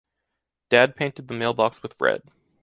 Dad painted the mailbox with red.